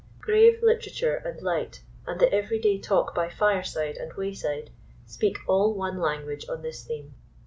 Grave literature and light, and the every day talk by fireside and wayside, speak all one language on this theme.